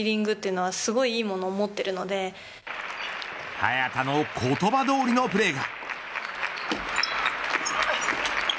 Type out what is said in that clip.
早田の言葉どおりのプレーが。